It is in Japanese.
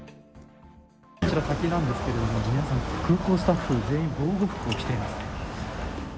こちら、先なんですけど皆さん、空港スタッフ全員防護服を着ています。